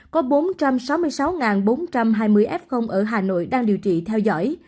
có bốn trăm sáu mươi sáu bốn trăm hai mươi f ở hà nội đang điều trị theo dõi